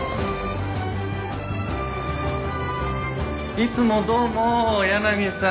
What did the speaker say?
いつもどうも柳さん。